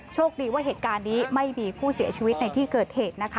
โชคดีว่าเหตุการณ์นี้ไม่มีผู้เสียชีวิตในที่เกิดเหตุนะคะ